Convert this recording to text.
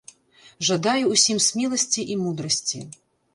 Жадаю ўсім смеласці і мудрасці!